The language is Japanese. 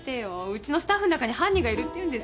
うちのスタッフの中に犯人がいるっていうんですか？